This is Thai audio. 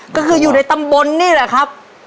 ก็คืออยู่ในตำบลนี่แหละครับ